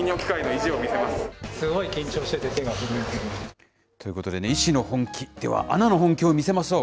すごい緊張してて、手が震えということで、医師の本気、では、アナの本気を見せましょう。